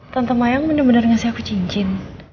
tante mayang bener bener ngasih aku cincin